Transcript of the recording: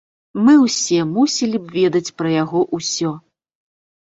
Мы ўсе мусілі б ведаць пра яго ўсё.